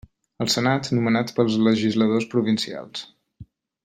El Senat nomenat pels legisladors provincials.